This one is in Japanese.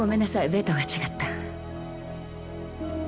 ベッドが違った。